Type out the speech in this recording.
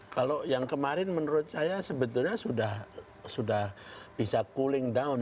kalau yang kemarin menurut saya sebetulnya sudah bisa cooling down